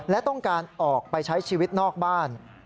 และต้องการออกไปใช้ชีวิตนอกบ้าน